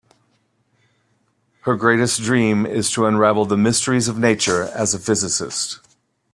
Her greatest dream is to unravel the mysteries of nature as a physicist.